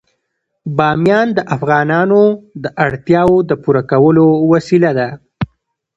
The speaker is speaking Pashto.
بامیان د افغانانو د اړتیاوو د پوره کولو وسیله ده.